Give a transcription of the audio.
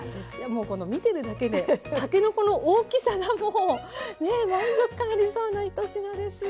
もう見てるだけでたけのこの大きさがもうね満足感ありそうな１品です。